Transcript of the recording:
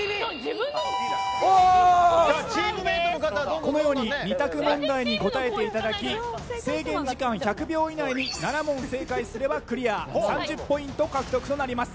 このように２択問題に答えていただき制限時間１００秒以内に７問正解すればクリア３０ポイント獲得となります。